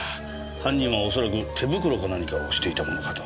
犯人はおそらく手袋か何かをしていたものかと。